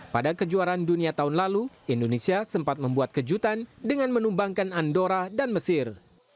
pada kejuaraan dunia tahun lalu indonesia sempat membuat kejutan dengan menumbangkan andora dan mesir